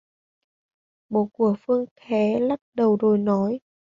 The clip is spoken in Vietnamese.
Bố của Phương khé lắc đầu rồi nói